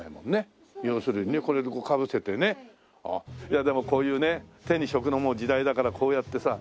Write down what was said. いやでもこういうね手に職の時代だからこうやってさ。